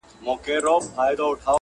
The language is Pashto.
ځکه پردی دی